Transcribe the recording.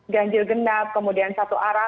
ganjil genap kemudian satu arah